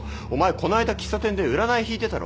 この間喫茶店で占い引いてたろ。